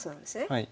はい。